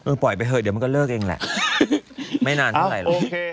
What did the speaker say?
ปล่อยไปเถอะเดี๋ยวมันก็เลิกเองแหละไม่นานเท่าไหร่